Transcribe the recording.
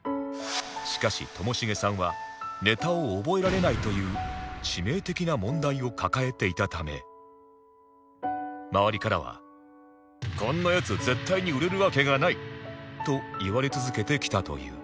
しかしともしげさんはネタを覚えられないという致命的な問題を抱えていたため周りからは「こんなヤツ絶対に売れるわけがない」と言われ続けてきたという